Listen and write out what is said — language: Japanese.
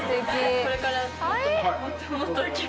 これから。